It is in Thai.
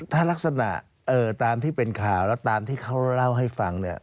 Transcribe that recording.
ถ้ารักษณะตามที่เป็นข่าวแล้วตามที่เขาเล่าให้ฟังเนี่ย